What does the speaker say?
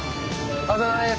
お疲れさまです。